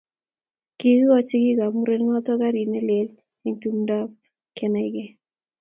Kiikoch sikikab murerenoto garit ne lel eng tumdap kenaikei